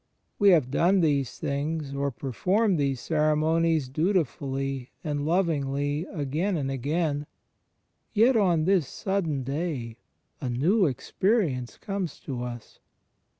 We have done these things or performed those ceremonies duti fully and lovingly again and again; yet on this sudden day a new experience comes to us.